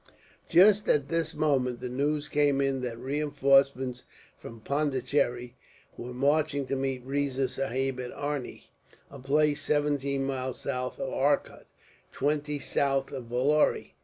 Just at this moment, the news came in that reinforcements from Pondicherry were marching to meet Riza Sahib at Arni, a place seventeen miles south of Arcot, twenty south of Vellore.